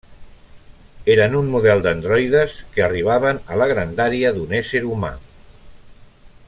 Eren un model d'androides que arribaven a la grandària d'un ésser humà.